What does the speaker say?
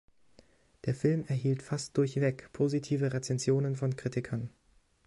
Der Film erhielt fast durchweg positive Rezensionen von Kritikern.